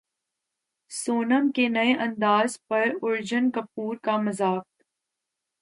سونم کے نئے انداز پر ارجن کپور کا مذاق